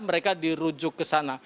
mereka dirujuk ke sana